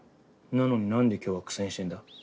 なのになんで今日は苦戦してんだ？